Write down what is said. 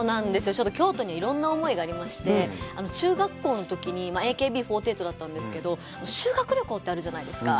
ちょっと京都にいろんな思いがありまして、中学校のときにＡＫＢ４８だったんですけど、修学旅行ってあるじゃないですか。